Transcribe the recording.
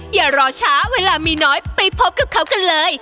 อย่ารอช้าเวลามีน้อยไปพบกับเขากันเลย